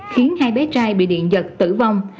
khiến hai bé trai bị điện giật tử vong